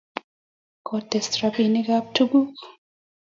ko tes rabinik ab tuguk